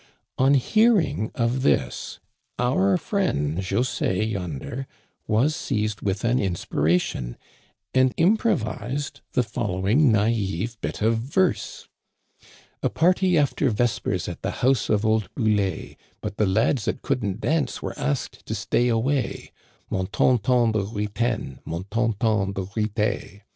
On hearing of this, our friend José yonder was seized with an inspira tion, and improvised the following naïve bit of verse :" A party after vespers at the house of old Boulé ; But the lads that couldn't dance were asked to stay away : Mon ton ton de ritaine, mon ton ton de rite.